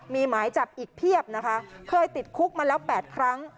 มีหมายจับอีกเพียบนะคะเคยติดคุกมาแล้ว๘ครั้ง